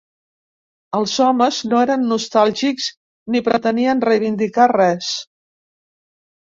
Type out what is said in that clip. Els homes no eren nostàlgics ni pretenien reivindicar res.